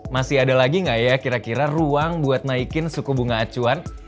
masih ada lagi nggak ya kira kira ruang buat naikin suku bunga acuan